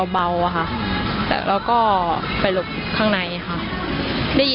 ประมาณอย่างกี่นัดนี้